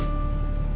ini mas pur